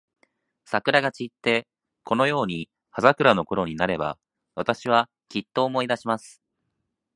桜が散って、このように葉桜のころになれば、私は、きっと思い出します。